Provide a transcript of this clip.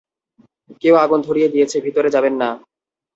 কেউ আগুন ধরিয়ে দিয়েছে, ভিতরে যাবেন না।